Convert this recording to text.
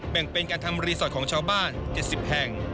แบ่งเป็นการทำรีสอร์ทของชาวบ้าน๗๐แห่ง